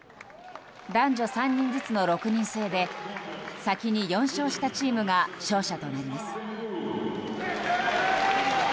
男女３人ずつの６人制で先に４勝したチームが勝者となります。